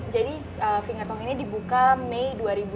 jadi vingertong ini dibuka mei dua ribu lima belas